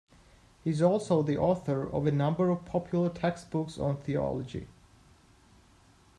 He is also the author of a number of popular textbooks on theology.